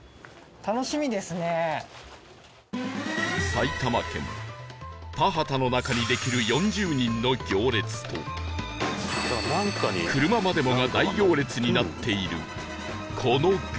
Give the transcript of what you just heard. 埼玉県田畑の中にできる４０人の行列と車までもが大行列になっているこのグルメ